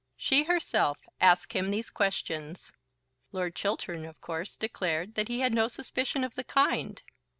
She herself asked him these questions. Lord Chiltern of course declared that he had no suspicion of the kind.